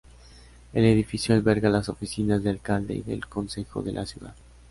El edificio alberga las oficinas del alcalde y del Consejo de la Ciudad.